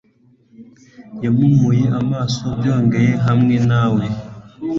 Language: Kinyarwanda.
yampumuye amaso byongeye kandi hamwe na we